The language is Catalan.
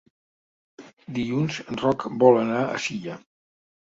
Dilluns en Roc vol anar a Silla.